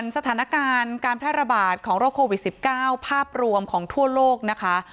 สถานการณ์การแพร่ระบาดของโรคโควิด๑๙ภาพรวมของทั่วโลกนะคะ